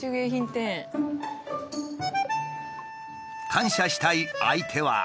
感謝したい相手は。